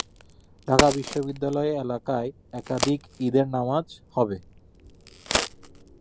ঢাকা বিশ্ববিদ্যালয় এলাকায় একাধিক ঈদের জামাত হবে।